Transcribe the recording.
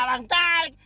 pak yang tarik